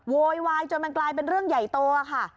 โวยวายจนมันกลายเป็นเรื่องใหญ่โตค่ะ